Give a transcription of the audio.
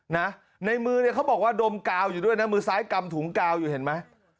ในมือเนี่ยเขาบอกว่าดมกาวอยู่ด้วยนะมือซ้ายกำถุงกาวอยู่เห็นไหม